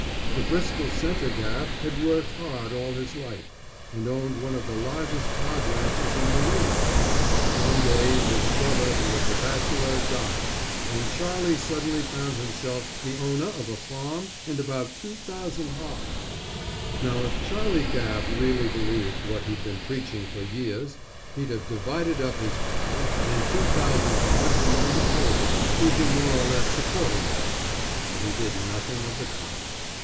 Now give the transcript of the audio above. The Bristol Centre Gabb had worked hard all his life, and owned one of the largest hog ranches in New England. One day, this brother who was a bachelor died, and Charlie suddenly found himself the owner of a farm and about two thousand hogs. Now if Charlie Gabb really believed what he'd been preaching for years, he'd have divided up his farm and two thousand hogs among the Poles, who'd been more or less supporting him, but he did nothing of the kind.